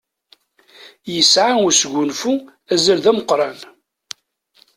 Yesɛa usgunfu azal d ameqqṛan.